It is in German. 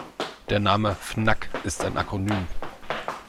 Der Name Fnac ist ein Akronym.